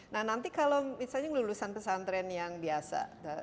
nah nanti kalau misalnya lulusan pesantren yang biasa